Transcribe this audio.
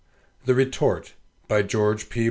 THE RETORT BY GEORGE P.